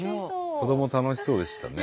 子ども楽しそうでしたね。